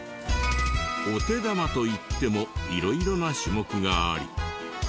お手玉といっても色々な種目があり。